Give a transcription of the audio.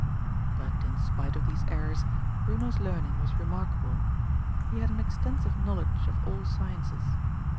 But in spite of these errors Bruno's learning was remarkable. He had an extensive knowledge of all sciences.